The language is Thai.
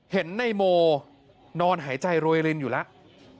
เห็นนายโมนอนหายใจโรยรินอยู่แล้ว